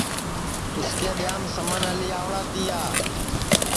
اُس کے ٻیاںٚم سمن اعلی آوڑا تیا